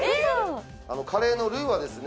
カレーのルーはですね